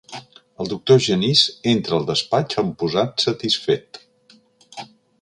El doctor Genís entra al despatx amb posat satisfet.